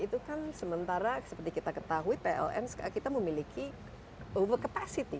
itu kan sementara seperti kita ketahui pln kita memiliki over capacity